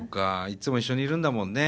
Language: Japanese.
いつも一緒にいるんだもんね。